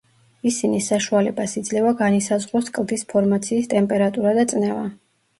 ისინი საშუალებას იძლევა განისაზღვროს კლდის ფორმაციის ტემპერატურა და წნევა.